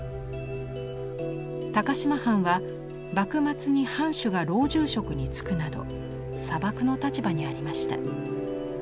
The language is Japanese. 高島藩は幕末に藩主が老中職に就くなど佐幕の立場にありました。